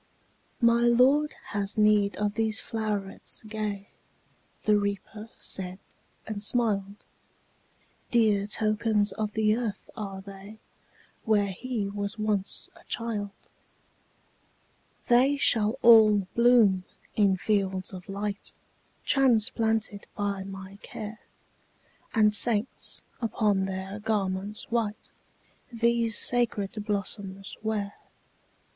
``My Lord has need of these flowerets gay,'' The Reaper said, and smiled; ``Dear tokens of the earth are they, Where he was once a child. ``They shall all bloom in fields of light, Transplanted by my care, And saints, upon their garments white, These sacred blossoms wear.''